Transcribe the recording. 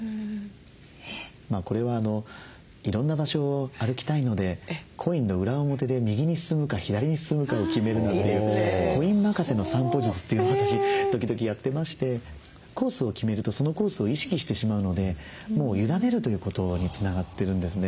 これはいろんな場所を歩きたいのでコインの裏表で右に進むか左に進むかを決めるなんていうコイン任せの散歩術というのを私時々やってましてコースを決めるとそのコースを意識してしまうのでもう委ねるということにつながってるんですね。